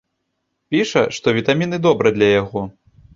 Піша, што вітаміны добра для яго.